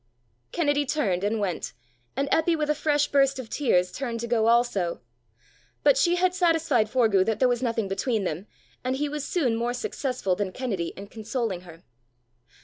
Kennedy turned and went, and Eppy with a fresh burst of tears turned to go also. But she had satisfied Forgue that there was nothing between them, and he was soon more successful than Kennedy in consoling her.